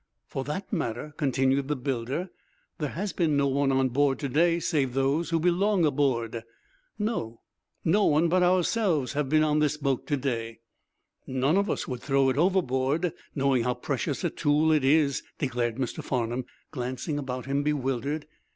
"For that matter," continued the builder, "there has been no one on board to day save those who belong aboard." "No; no one but ourselves has been on the boat to day." "None of us would throw it overboard, knowing how precious a tool it is," declared Mr. Farnum, glancing about him bewildered.